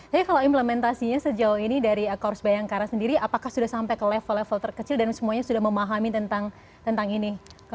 jadi kalau implementasinya sejauh ini dari korus bayangkara sendiri apakah sudah sampai ke level level terkecil dan semuanya sudah memahami tentang ini